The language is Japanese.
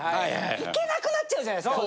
行けなくなっちゃうじゃないですか。